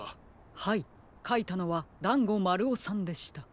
はいかいたのはだんごまるおさんでした。